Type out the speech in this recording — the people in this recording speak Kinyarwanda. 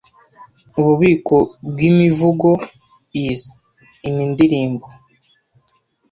Ububiko bwImivugo Is inindirimbo